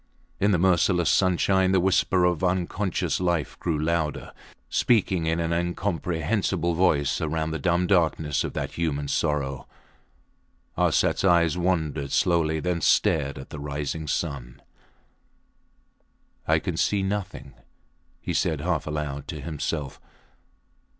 In the merciless sunshine the whisper of unconscious life grew louder, speaking in an incomprehensible voice round the dumb darkness of that human sorrow. Arsats eyes wandered slowly, then stared at the rising sun. I can see nothing, he said half aloud to himself.